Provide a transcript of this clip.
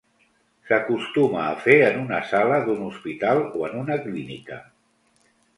S'acostuma a fer en una sala d'un hospital o en una clínica.